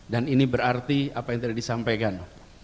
dan ini berarti apa yang tadi disampaikan